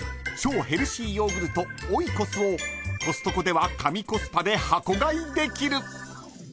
［超ヘルシーヨーグルトオイコスをコストコでは神コスパで箱買いできる］